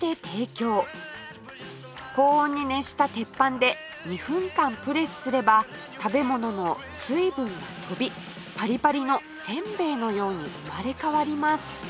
高温に熱した鉄板で２分間プレスすれば食べ物の水分が飛びパリパリのせんべいのように生まれ変わります